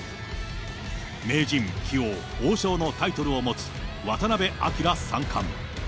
名人、棋王、王将のタイトルを持つ渡辺明三冠。